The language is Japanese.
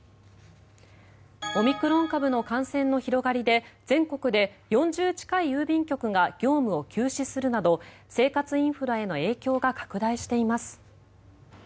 オミクロン株の感染の広がりで全国で４０近い郵便局が業務を休止するなど生活インフラへの影響が拡大しています。